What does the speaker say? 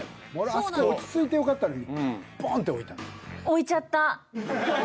あそこ落ち着いてよかったのにボンって置いたのよ。